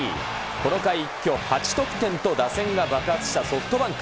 この回一挙８得点と打線が爆発したソフトバンク。